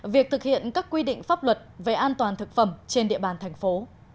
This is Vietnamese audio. việc thực hiện các quy định pháp luật về an toàn thực phẩm trên địa bàn thành phố